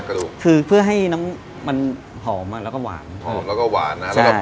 กระดูกคือเพื่อให้น้ำมันหอมอ่ะแล้วก็หวานหอมแล้วก็หวานนะแล้วก็